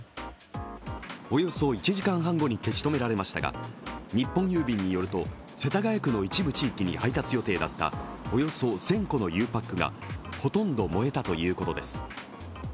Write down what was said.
およそ１時間半後に消し止められましたが日本郵便によると、世田谷区の一部地域に配達予定だったおよそ１０００個のゆうパックがほとんど燃えたということです。